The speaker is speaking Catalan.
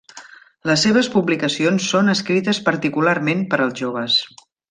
Les seves publicacions són escrites particularment per als joves.